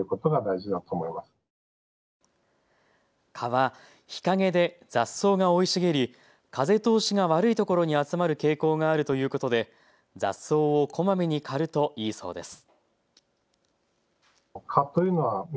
蚊は日陰で雑草が生い茂り風通しが悪い所に集まる傾向があるということで雑草をこまめに刈るといいそうです。